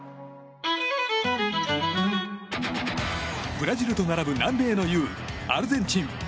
ブラジルと並ぶ南米の雄アルゼンチン。